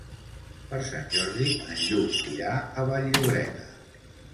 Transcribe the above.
Per Sant Jordi en Lluc irà a Vall-llobrega.